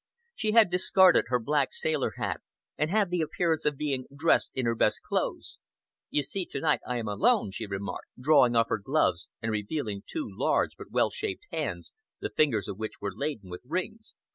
She had discarded her black sailor hat, and had the appearance of being dressed in her best clothes. "You see to day I am alone," she remarked, drawing off her gloves and revealing two large but well shaped hands, the fingers of which were laden with rings.